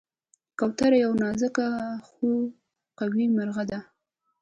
کوتره یو نازک خو قوي مرغه ده.